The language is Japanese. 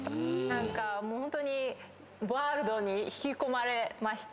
何かホントにワールドに引き込まれました。